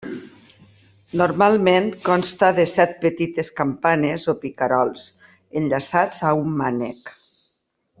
Normalment consta de set petites campanes o picarols enllaçats a un mànec.